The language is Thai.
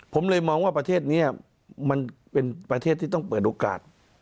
ผมเลยมองว่าประเทศนี้มันเป็นประเทศที่ต้องเปิดโอกาส